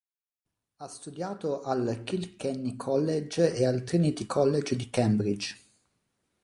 Ha studiato al Kilkenny College e al Trinity College di Cambridge.